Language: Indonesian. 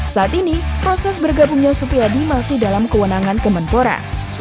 saat ini proses bergabungnya supriyadi masih dalam kewenangan kemenpora